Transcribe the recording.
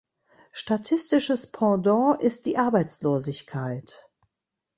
Statistisches Pendant ist die Arbeitslosigkeit.